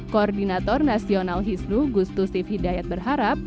koordinator nasional hisnu gustusif hidayat berharap